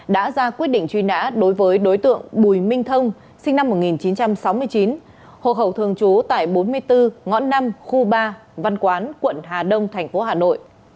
đã ra quyết định truy nã đối với đối tượng bùi minh thông sinh năm một nghìn chín trăm sáu mươi chín hộ khẩu thường trú tại bốn mươi bốn ngõ năm khu ba văn quán quận hà đông thành phố hà nội